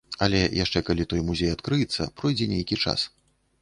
Але яшчэ калі той музей адкрыецца, пройдзе нейкі час.